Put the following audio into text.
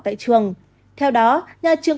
tại trường theo đó nhà trường